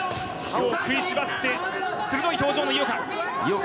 歯を食いしばってすごい表情の井岡。